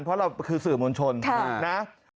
เพราะเราคือสื่อมวลชนนะ